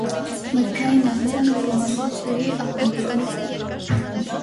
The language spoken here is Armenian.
Մրգային աղցանը կը մատուցուի աղանդերի ձեւով։